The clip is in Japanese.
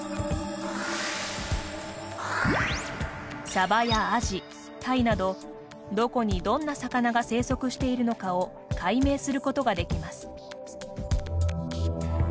サバやアジタイなどどこにどんな魚が生息しているのかを解明することができます。